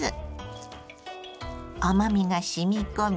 甘みがしみ込み